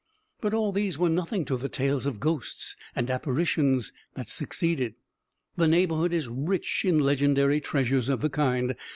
But all these were nothing to the tales of ghosts and apparitions that succeeded. The neighborhood is rich in legendary treasures of the kind.